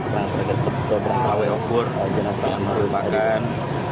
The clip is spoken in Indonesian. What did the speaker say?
bikur jangan salah melupakan kegiatan menjelang bulan ramadhan